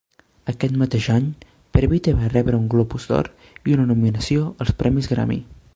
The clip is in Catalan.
Aquest mateix any, Previte va rebre també un Globus d'Or i una nominació als Premis Grammy.